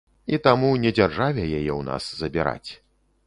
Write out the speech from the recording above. І таму не дзяржаве яе ў нас забіраць.